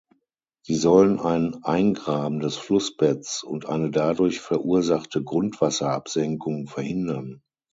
Sie sollen ein Eingraben des Flussbetts und eine dadurch verursachte Grundwasserabsenkung verhindern.